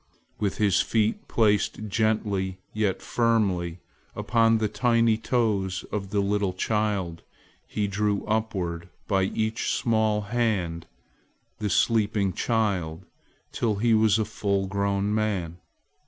With his feet placed gently yet firmly upon the tiny toes of the little child, he drew upward by each small hand the sleeping child till he was a full grown man.